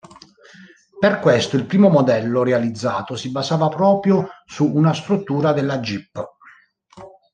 Per questo il primo modello realizzato si basava proprio su una struttura della Jeep.